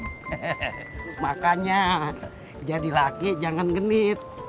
hehehe makanya jadi laki jangan genit